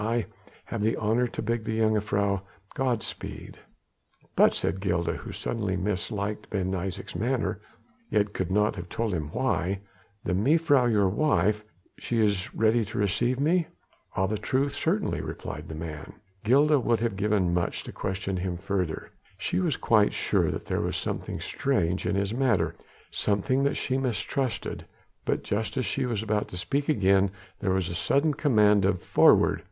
I have the honour to bid the jongejuffrouw 'Godspeed.'" "But," said Gilda, who suddenly misliked Ben Isaje's manner, yet could not have told you why, "the mevrouw your wife she is ready to receive me?" "Of a truth certainly," replied the man. Gilda would have given much to question him further. She was quite sure that there was something strange in his manner, something that she mistrusted; but just as she was about to speak again, there was a sudden command of "Forward!"